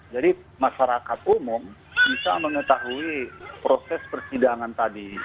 jadi masyarakat umum bisa mengetahui proses persidangan tadi